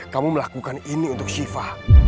kamu melakukan ini untuk shiva